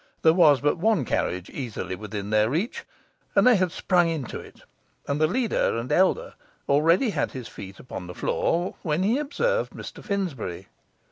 There was but one carriage easily within their reach; and they had sprung into it, and the leader and elder already had his feet upon the floor, when he observed Mr Finsbury.